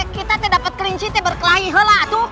kita tidak dapat klinci berkelahi helah